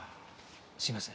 すみません。